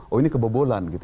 oh ini kebobolan